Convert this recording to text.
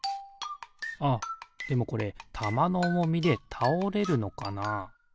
あっでもこれたまのおもみでたおれるのかな？